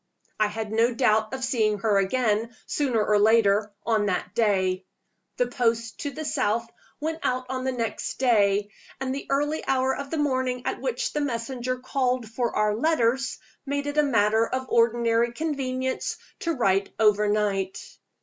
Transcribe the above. I had no doubt of seeing her again, sooner or later, on that day. The post to the south went out on the next day; and the early hour of the morning at which the messenger called for our letters made it a matter of ordinary convenience to write overnight.